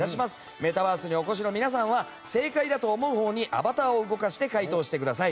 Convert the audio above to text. メタバースにお越しの皆さんは正解だと思うほうにアバターを動かして解答してください。